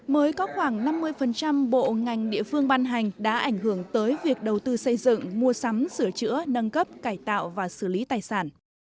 mới có khoảng năm mươi bộ ngành địa phương ban hành đã ảnh hưởng tới việc đầu tư xây dựng mua sắm sửa chữa nâng cấp cải tạo và xử lý tài sản